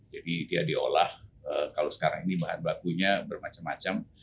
jadi dia diolah kalau sekarang ini bahan bakunya bermacam macam